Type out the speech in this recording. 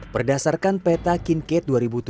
berdasarkan peta kinkade